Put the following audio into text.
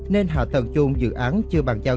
nên hạ tầng chung dự án chưa bàn giao